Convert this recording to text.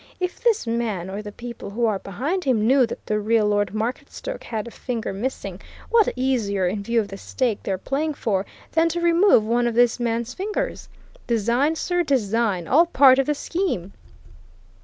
If this man, or the people who are behind him, knew that the real Lord Marketstoke had a finger missing, what easier in view of the stake they're playing for than to remove one of this man's fingers? Design, sir, design. All part of the scheme!"